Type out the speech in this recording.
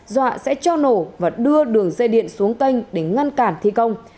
dọa sẽ cho nổ và đưa đường dây điện xuống kênh để ngăn cản thi công